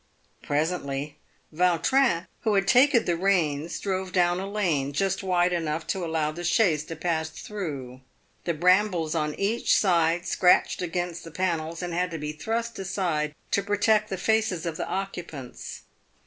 Presently Vautrin, who had taken the reins, drove down a lane, just wide enough to allow the chaise to pass through. The brambles on each side scratched against the panels and had to be thrust aside to protect the faces of the occupants.